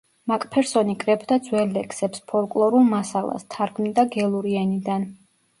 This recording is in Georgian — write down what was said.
მაკფერსონი კრეფდა ძველ ლექსებს, ფოლკლორულ მასალას, თარგმნიდა გელური ენიდან.